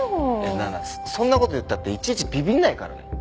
なあなあそんな事言ったっていちいちビビんないからね。